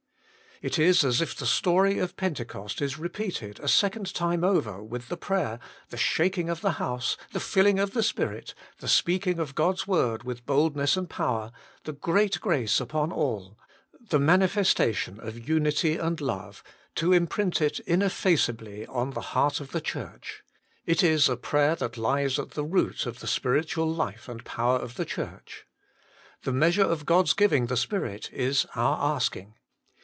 It is as if the story of Pentecost is repeated a second time over, with the prayer, the shaking of the house, the filling with the Spirit, the speaking God s word with boldness and power, the great grace upon all, the manifestation of unity and love to imprint it ineffaceably on the heart of the Church: it is prayer that lies at the root of the spiritual life and power of the Church. The measure of God s giving the Spirit is our asking.